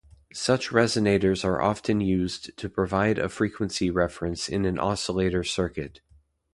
Such resonators are often used to provide a frequency reference in an oscillator circuit.